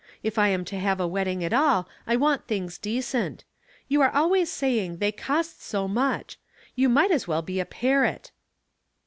if I am to have a wedding at all I want things decent. You are always saying ' they cost so much.' You might as well be a parrot."